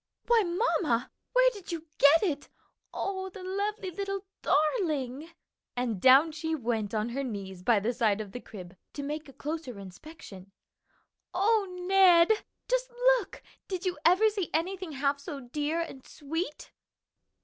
"Why, mamma, where did you get it? Oh, the little lovely darling!" and down she went on her knees by the side of the crib, to make a closer inspection. "O Ned, just look! did you ever see anything half so dear and sweet?"